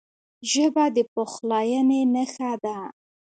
ژبه د پخلاینې نښه ده